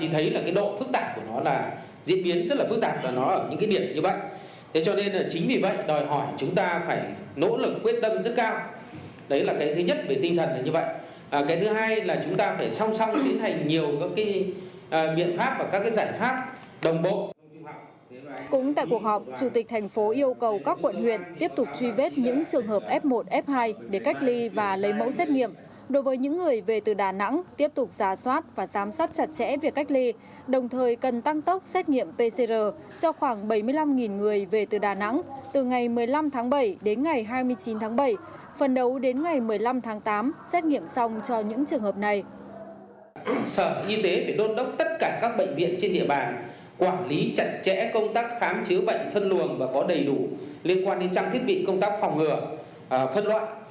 tất cả các bệnh viện trên địa bàn quản lý chặt chẽ công tác khám chứa bệnh phân luồng và có đầy đủ liên quan đến trang thiết bị công tác phòng ngừa phân loại kể cả cho các bệnh nhân đặc biệt là các bệnh nhân ở những khoa bệnh nền